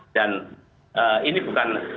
dan ini bukan